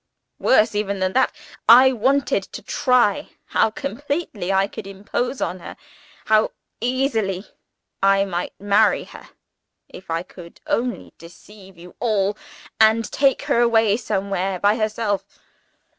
Worse even than that, I wanted to try how completely I could impose on her how easily I might marry her, if I could only deceive you all, and take her away somewhere by herself.